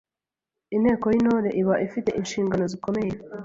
Inteko y’Intore iba ifite inshingano zikomeye